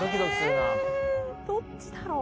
えどっちだろう？